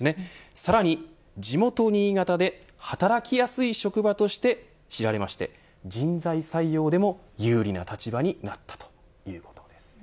さらに、地元新潟で働きやすい職場として知られまして人材採用でも有利な立場になったということです。